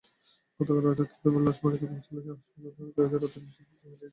গতকাল রাতে তাঁর লাশ বাড়িতে পৌঁছালে স্বজনদের আহাজারিতে রাতের নিস্তব্ধতা মিলিয়ে যায়।